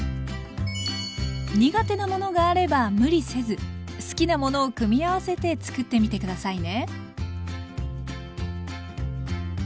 苦手なものがあれば無理せず好きなものを組み合わせて作ってみて下さいね。